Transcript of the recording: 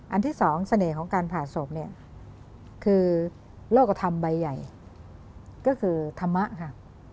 ที่สองเสน่ห์ของการผ่าศพเนี่ยคือโรคกระทำใบใหญ่ก็คือธรรมะค่ะ